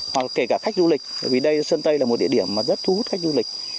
hoặc là kể cả khách du lịch vì đây sơn tây là một địa điểm mà rất thu hút khách du lịch